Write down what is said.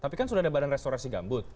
tapi kan sudah ada badan restorasi gambut